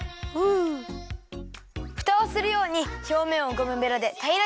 ふたをするようにひょうめんをゴムベラでたいらにするよ。